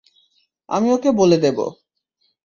আমি ওকে বলে দেবো।